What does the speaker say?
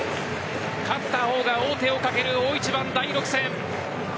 勝った方が王手をかける大一番第６戦。